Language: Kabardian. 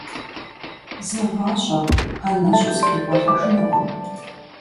ЗэгъащӀэ, ӀэнэщӀу сыкъекӀуэлӀэжынукъым.